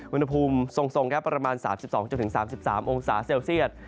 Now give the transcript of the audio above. วินาภูมิทรงประมาณ๓๒๓๓องศาเซลเซียด